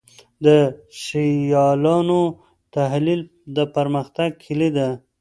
د سیالانو تحلیل د پرمختګ کلي ده.